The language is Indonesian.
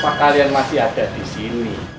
apakah kalian masih ada di sini